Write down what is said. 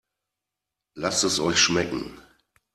Lasst es euch schmecken!